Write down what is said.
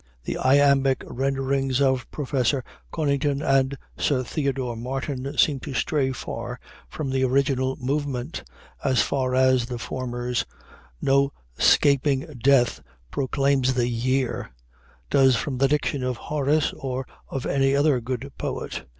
The iambic renderings of Professor Conington and Sir Theodore Martin seem to stray far from the original movement as far as the former's "'No 'scaping death' proclaims the year" does from the diction of Horace or of any other good poet.